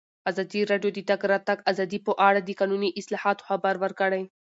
ازادي راډیو د د تګ راتګ ازادي په اړه د قانوني اصلاحاتو خبر ورکړی.